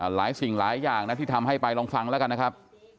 หลายสิ่งหลายอย่างนะที่ทำให้ไปลองฟังแล้วกันนะครับ